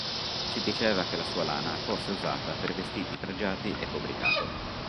Si diceva che la sua lana fosse usata per vestiti pregiati e copricapo.